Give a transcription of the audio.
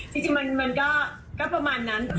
จริงมันก็ประมาณนั้น